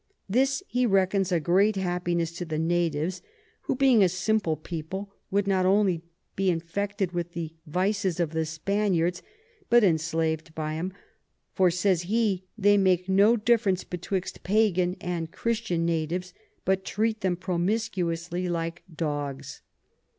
This he reckons a great Happiness to the Natives, who being a simple People, would not only be soon infected with the Vices of the Spaniards, but enslav'd by 'em: for, says he, they make no difference betwixt Pagan and Christian Natives, but treat them promiscuously like Dogs.